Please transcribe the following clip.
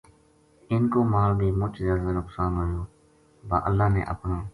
اِنھ کو مال بے مُچ زیادہ نقصان ہویو با اللہ نے اپنا